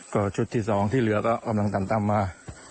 ก็ชุดที่๒ที่เหลือก็กำลังต่ำมา